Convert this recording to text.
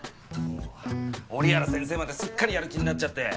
もう折原先生まですっかりやる気になっちゃって。